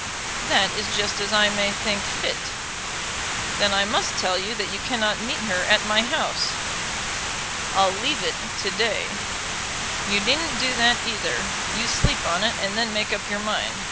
"That is just as I may think fit." "Then I must tell you that you cannot meet her at my house." "I'll leave it to day." "You needn't do that either. You sleep on it, and then make up your mind.